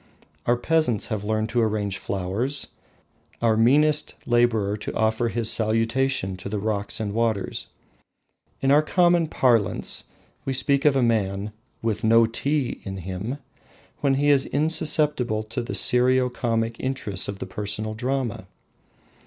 Our peasants have learned to arrange flowers, our meanest labourer to offer his salutation to the rocks and waters. In our common parlance we speak of the man "with no tea" in him, when he is insusceptible to the serio comic interests of the personal drama.